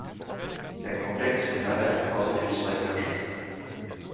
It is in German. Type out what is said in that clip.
Der Komplex beherbergt außerdem zwei Kirchen.